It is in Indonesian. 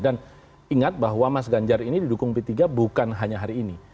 dan ingat bahwa mas ganjar ini didukung p tiga bukan hanya hari ini